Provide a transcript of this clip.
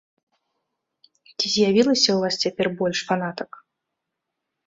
Ці з'явілася ў вас цяпер больш фанатак?